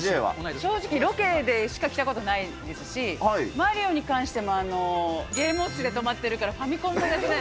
正直、ロケでしか着たことないですし、マリオに関しても、ゲームウオッチで止まってるからファミコンやってない。